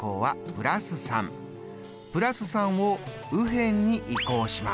＋３を右辺に移項します。